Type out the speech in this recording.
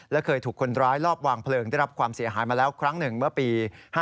และเคยถูกคนร้ายรอบวางเพลิงได้รับความเสียหายมาแล้วครั้งหนึ่งเมื่อปี๕๗